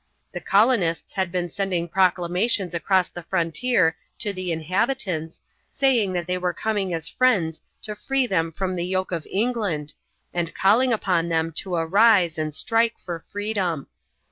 The colonists had been sending proclamations across the frontier to the inhabitants, saying that they were coming as friends to free them from the yoke of England and calling upon them to arise and strike for freedom.